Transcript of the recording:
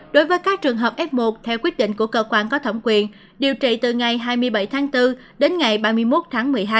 đối với các trường hợp f một theo quyết định của cơ quan có thẩm quyền điều trị từ ngày hai mươi bảy tháng bốn đến ngày ba mươi một tháng một mươi hai